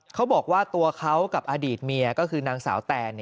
เขาบอกว่าตัวเขากับอดีตเมียก็คือนางสาวแตน